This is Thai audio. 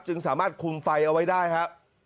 จึงสามารถคุมไฟเอาไว้ได้ครับ